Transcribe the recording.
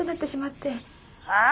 はあ？